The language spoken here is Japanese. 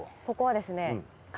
ここはですね。